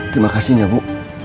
terima kasih ya bu